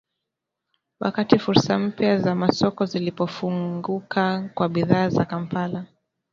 Wakati fursa mpya za masoko zilipofunguka kwa bidhaa za Kampala.